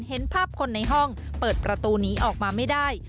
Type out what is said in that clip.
เห็นภาพคนในห้องเปิดประตูหนีออกมาไม่ได้